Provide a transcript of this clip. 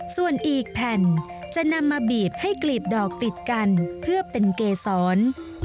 ส่วนอีกแผ่นจะนำมาบีบให้กลีบดอกติดกันเพื่อเป็นเกษร